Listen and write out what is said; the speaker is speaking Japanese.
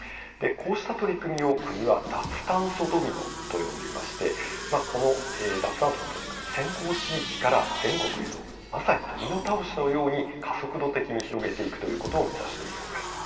こうした取り組みを国は脱炭素ドミノと呼んでいまして脱炭素の取り組み先行地域から全国へとまさにドミノ倒しのように加速度的に広げていくということを目指しているんです。